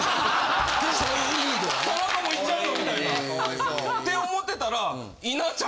田中も行っちゃうのみたいなって思ってたら。